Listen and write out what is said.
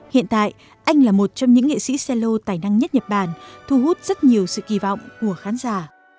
hiện tại anh là một trong những nghị sĩ cello tài năng nhất nhật bản thu hút rất nhiều sự kỳ vọng của khán giả